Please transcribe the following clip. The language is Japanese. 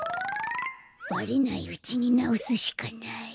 バレないうちになおすしかない。